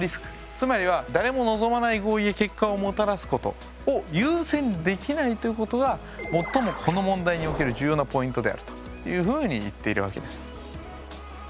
つまりは誰も望まない合意や結果をもたらすことを優先できないということが最もこの問題における重要なポイントであるというふうに言っているわけです。